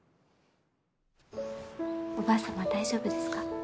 おばあ様大丈夫ですか？